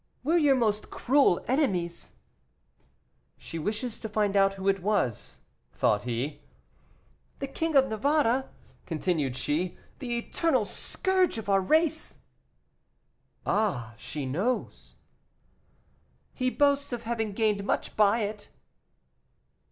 "Were your most cruel enemies." "She wishes to find out who it was," thought he. "The King of Navarre," continued she, "the eternal scourge of our race " "Ah! she knows." "He boasts of having gained much by it."